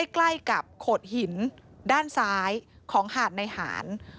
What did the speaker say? ใกล้กับโขดหินด้านซ้ายของหาดในหาร